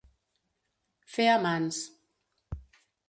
Fer a mans.